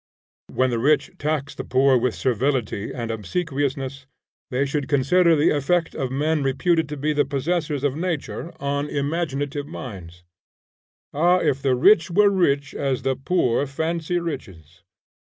When the rich tax the poor with servility and obsequiousness, they should consider the effect of men reputed to be the possessors of nature, on imaginative minds. Ah! if the rich were rich as the poor fancy riches!